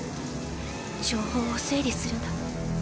情報を整理するんだ